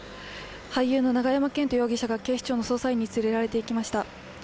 俳優の永山絢斗容疑者が、警視庁の捜査員に連れられていきました。